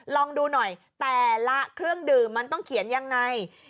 ลองดูหน่อยแต่ละเครื่องดื่มมันต้องเขียนยังไง